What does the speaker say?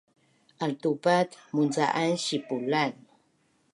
Altupat munca’an sipulan